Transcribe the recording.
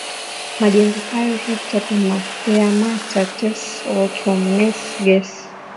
majengo hayo hepta theamata tes oikumenes ges